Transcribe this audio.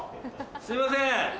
すいません！